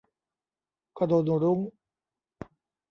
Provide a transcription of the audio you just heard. ก็โดนรุ้ง